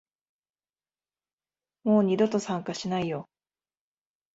もう二度と参加しないよ